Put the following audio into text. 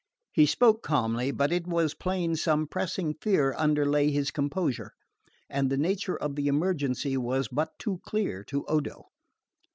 He spoke calmly, but it was plain some pressing fear underlay his composure, and the nature of the emergency was but too clear to Odo.